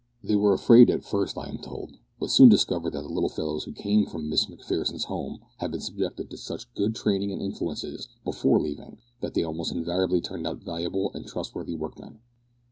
"They were afraid at first, I am told, but soon discovered that the little fellows who came from Miss Macpherson's Home had been subjected to such good training and influences before leaving that they almost invariably turned out valuable and trustworthy workmen.